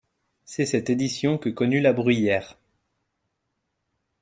C’est cette édition que connut La Bruyère.